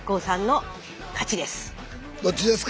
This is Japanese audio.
どっちですか？